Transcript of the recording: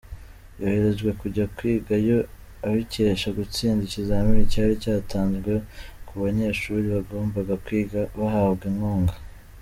Yoherejwe kujya kwigayo abikesha gutsinda ikizamini cyari cyatanzwe ku banyeshuri bagombaga kwiga bahabwa inkunga.